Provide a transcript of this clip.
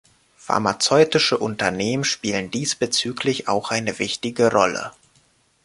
Pharmazeutische Unternehmen spielen diesbezüglich auch eine wichtige Rolle.